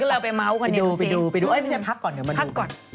ก็เลยไปเมาส์ก่อนนี่ดูสิไปดูไปดูไม่เป็นไรพักก่อนเดี๋ยวมาดู